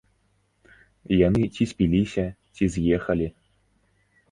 Яны ці спіліся, ці з'ехалі.